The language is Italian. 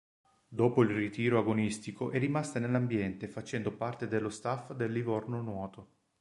Dopo il ritiro agonistico è rimasta nell'ambiente facendo parte dello staff del Livorno Nuoto.